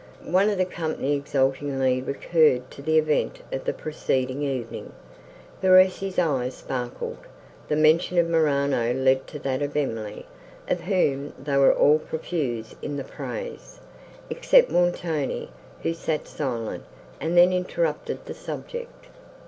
One of the company exultingly recurred to the event of the preceding evening. Verezzi's eyes sparkled. The mention of Morano led to that of Emily, of whom they were all profuse in the praise, except Montoni, who sat silent, and then interrupted the subject.